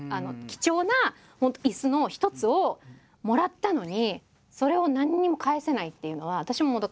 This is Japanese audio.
貴重な椅子の一つをもらったのにそれを何にも返せないっていうのは私ももどかしかったし。